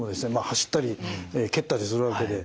走ったり蹴ったりするわけで。